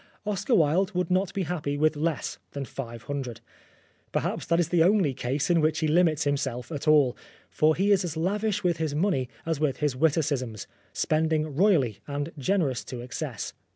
Oscar Wilde would not be happy with less than .five hundred. Perhaps that is the only case in which he limits himself at all, for he is as lavish with his money as with his witticisms, spending royally, and generous to excess.